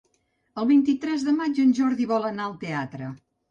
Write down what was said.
El vint-i-tres de maig en Jordi vol anar al teatre.